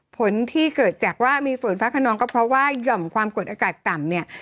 ผลที่เกิดจากว่ามีฝนฟ้าขนองก็เพราะว่าหย่อมความกดอากาศต่ำเนี่ย